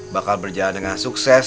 bakal berjalan dengan sukses